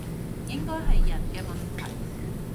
應該係人嘅問題